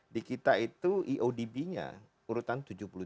di kita itu iodb nya urutan tujuh puluh tiga